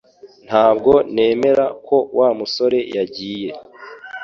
Ntabwo nemera ko Wa musore yagiye